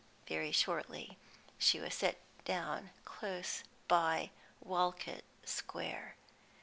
Very shortly she was set down close by Walcot Square.